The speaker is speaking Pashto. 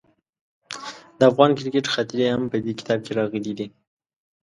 د افغان کرکټ خاطرې هم په دې کتاب کې راغلي دي.